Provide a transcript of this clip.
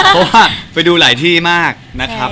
เพราะว่าไปดูหลายที่มากนะครับ